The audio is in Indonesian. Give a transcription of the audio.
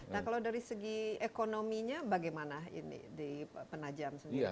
nah kalau dari segi ekonominya bagaimana ini di penajam sendiri